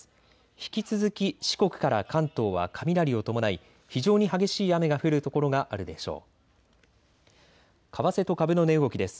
引き続き四国から関東は雷を伴い非常に激しい雨が降る所があるでしょう。